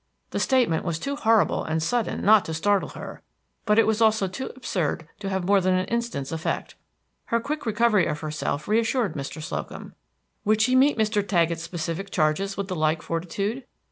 The statement was too horrible and sudden not to startle her, but it was also too absurd to have more than an instant's effect. Her quick recovery of herself reassured Mr. Slocum. Would she meet Mr. Taggett's specific charges with the like fortitude?